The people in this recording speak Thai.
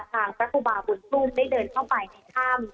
ทางครูบาบุญชุมได้เดินเข้าไปที่ถ้ำ